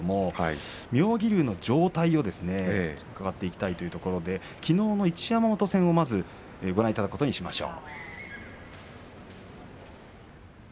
妙義龍の状態を伺っていきますときのうの一山本戦をご覧いただくことにいたしましょう。